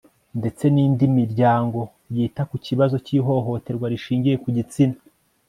ndetse n indi miryango yita ku kibazo cy ihohoterwa rishingiye ku gitsina